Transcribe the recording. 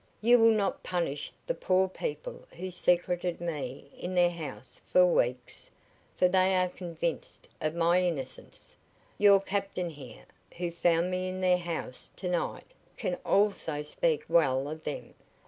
"You will not punish the poor people who secreted me in their house for weeks, for they are convinced of my innocence. Your captain here, who found me in their house to night, can also speak well of them.